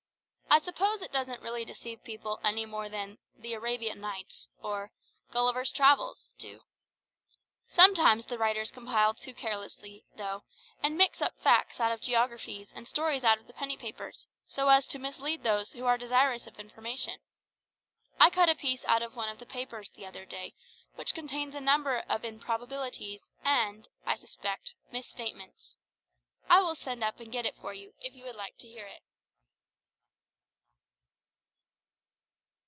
I suppose it doesn't really deceive people any more than the "Arabian Nights" or "Gulliver's Travels" do. Sometimes the writers compile too carelessly, though, and mix up facts out of geographies and stories out of the penny papers, so as to mislead those who are desirous of information. I cut a piece out of one of the papers the other day which contains a number of improbabilities and, I suspect, misstatements. I will send up and get it for you, if you would like to hear it.